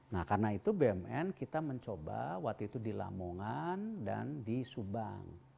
nah karena itu bumn kita mencoba waktu itu di lamongan dan di subang